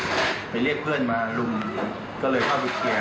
เราออกมาจับในวันนั้นเลยควรหมด๖คน